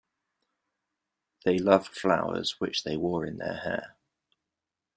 They loved flowers, which they wore in their hair.